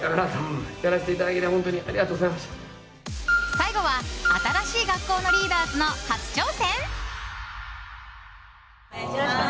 最後は新しい学校のリーダーズの初挑戦？